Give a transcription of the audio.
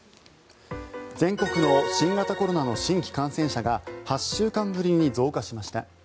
全国の新型コロナの新規感染者が８週間ぶりに増加しました。